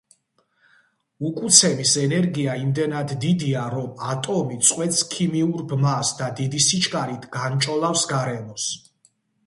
უკუცემის ენერგია იმდენად დიდია, რომ ატომი წყვეტს ქიმიურ ბმას და დიდი სიჩქარით განჭოლავს გარემოს.